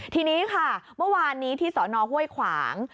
ทีนี้ค่ะเมื่อวานนี้ที่สนห้วยขวาง